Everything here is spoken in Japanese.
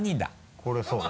これそうね。